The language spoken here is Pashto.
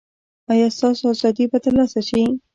ایا ستاسو ازادي به ترلاسه شي؟